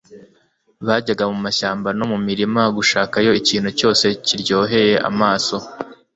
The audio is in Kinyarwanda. Bajyaga mu mashyamba no mu mirima gushakayo ikintu cyose kiryoheye amaso